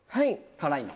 辛いの。